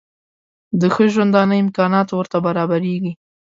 د ښه ژوندانه امکانات ورته برابرېږي.